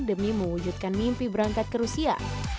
demi mewujudkan mimpi berangkat ke rusia